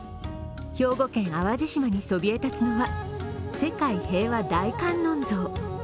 兵庫県・淡路島にそびえ立つのは世界平和大観音像。